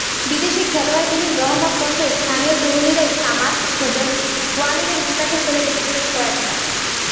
বিদেশি খেলোয়াড়বিহীন রহমতগঞ্জের স্থানীয় তরুণেরাই সামাদ, সুজন, ওয়ালিদের বিপাকে ফেলে দিচ্ছিলেন কয়েকবার।